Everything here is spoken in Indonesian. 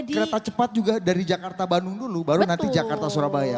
kereta cepat juga dari jakarta bandung dulu baru nanti jakarta surabaya